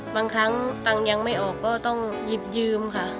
บางครั้งตังค์ยังไม่ออกก็ต้องหยิบยืมค่ะ